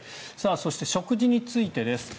そして食事についてです。